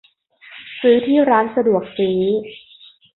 ซื้อที่ร้านสะดวกซื้อ